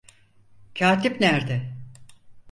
Katip nerde?